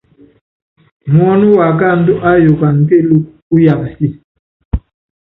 Muɔ́nɔ wákáandú áyukana kéelúku, uyaapa si.